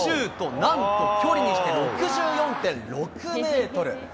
なんと距離にして６４．６メートル。